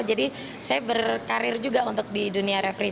jadi saya berkarir juga untuk di dunia referee